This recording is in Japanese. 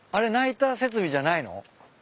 ナイター設備じゃないの？